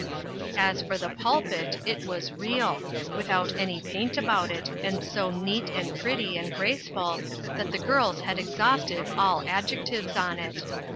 As for the pulpit, it was "real*" without any paint about it, and so neat, and pretty, and graceful, that the girls had exhausted all adjectives on it.